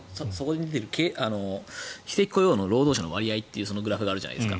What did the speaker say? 非正規の労働者の割合というグラフがあるじゃないですか。